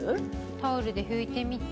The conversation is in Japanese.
タオルで拭いてみて。